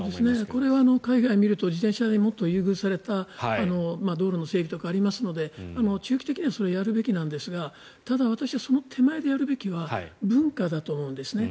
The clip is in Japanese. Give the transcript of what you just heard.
これは海外を見ると自転車とか、もっと優遇された道路の整備とかありますので中期的にはそれをやるべきなんですがただ、私はその手前でやるべきは文化だと思うんですね。